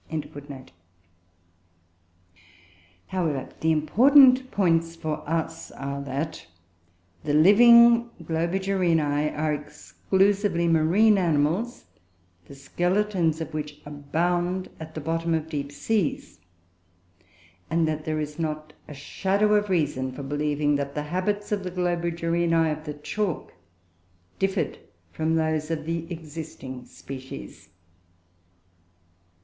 ] However, the important points for us are, that the living Globigerinoe are exclusively marine animals, the skeletons of which abound at the bottom of deep seas; and that there is not a shadow of reason for believing that the habits of the Globigerinoe of the chalk differed from those of the existing species.